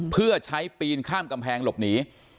เพื่อใช้ปีนข้ามกำแพงหลบหนี